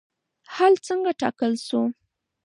حل څنګه ټاکل شو؟